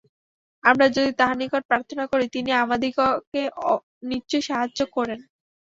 আমরা যদি তাঁহার নিকট প্রার্থনা করি, তিনি আমাদিগকে নিশ্চয়ই সাহায্য করেন।